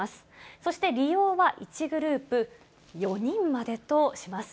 そして利用は１グループ４人までとします。